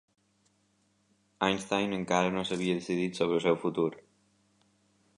Einstein encara no s"havia decidit sobre el seu futur.